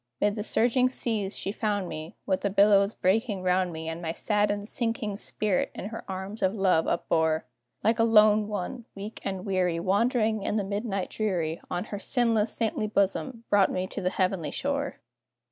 'Mid the surging seas she found me, With the billows breaking round me, And my saddened, sinking spirit in her arms of love upbore; Like a lone one, weak and weary, Wandering in the midnight dreary, On her sinless, saintly bosom, brought me to the heavenly shore.